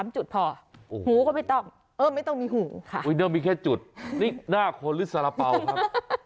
๓จุดพอหูก็ไม่ต้องเออไม่ต้องมีหูค่ะมีแค่จุดนี่หน้าคนหรือสาระเปาครับ